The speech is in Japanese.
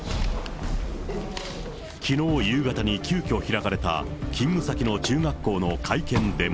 きのう夕方に急きょ開かれた、勤務先の中学校の会見でも。